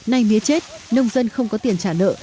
nay mía chết nông dân không có tiền trả nợ